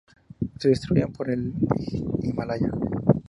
Se distribuyen por el Himalaya.